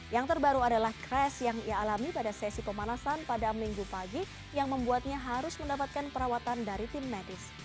yang terbaru adalah crash yang ia alami pada sesi pemanasan pada minggu pagi yang membuatnya harus mendapatkan perawatan dari tim medis